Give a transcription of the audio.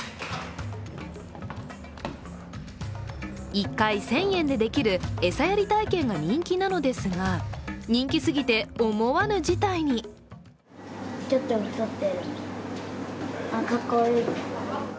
１回１０００円でできる餌やり体験が人気なのですが人気すぎて、思わぬ事態にちょっと太ってる、かっこいい。